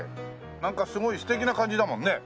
なんかすごい素敵な感じだもんね。